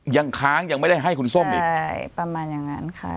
ยังค้างยังไม่ได้ให้คุณส้มอีกใช่ประมาณอย่างนั้นค่ะ